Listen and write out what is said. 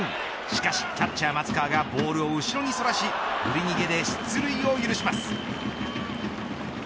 しかし、キャッチャー松川がボールを後ろに反らし振り逃げで出塁を許します。